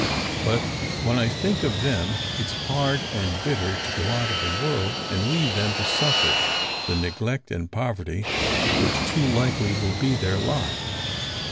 But when I think of them, it's hard and bitter to go out of the world, and leave them to suffer the neglect and poverty which too likely will be their lot!"